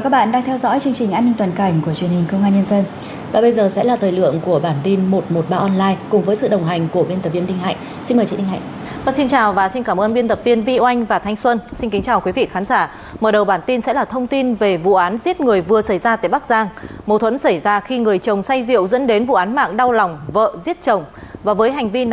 các bạn hãy đăng ký kênh để ủng hộ kênh của chúng mình nhé